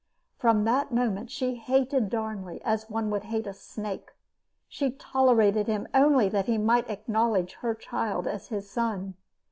From that moment she hated Darnley as one would hate a snake. She tolerated him only that he might acknowledge her child as his son.